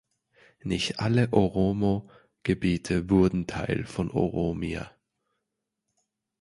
Nicht alle Oromo-Gebiete wurden Teil von Oromia.